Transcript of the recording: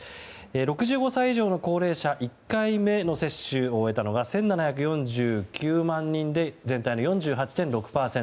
６５歳以上の高齢者１回目の接種を終えたのが１７４９万人で全体の４８．６％。